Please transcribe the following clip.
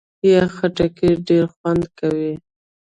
یخ خټکی ډېر خوند کوي.